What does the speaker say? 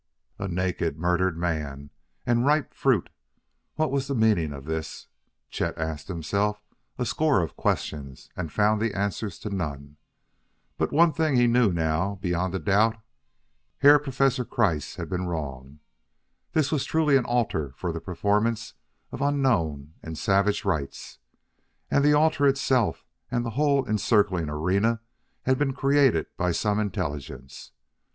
A naked, murdered man! and ripe fruit! What was the meaning of this? Chet asked himself a score of questions and found the answer to none. But one thing he knew now beyond a doubt: Herr Professor Kreiss had been wrong. This was truly an altar for the performance of unknown and savage rites, and the altar itself and the whole encircling arena had been created by some intelligence.